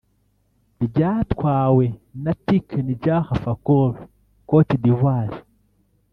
ryatwawe na Tiken Jah Fakoly (Côte d’Ivoire)